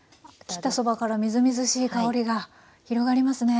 切ったそばからみずみずしい香りが広がりますね。